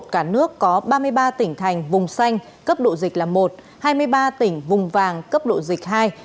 cả nước có ba mươi ba tỉnh thành vùng xanh cấp độ dịch là một hai mươi ba tỉnh vùng vàng cấp độ dịch hai